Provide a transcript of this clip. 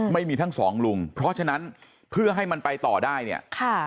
ไม่มีทั้งสองลุงเพราะฉะนั้นเพื่อให้มันไปต่อได้เนี่ยค่ะ